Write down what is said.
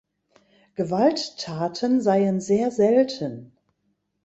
Gewalttaten seien sehr selten.